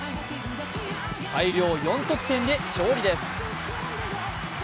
大量４得点で勝利です。